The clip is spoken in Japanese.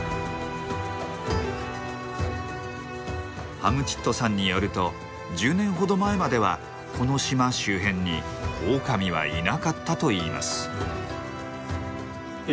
ハムチットさんによると１０年ほど前まではこの島周辺にオオカミはいなかったといいます。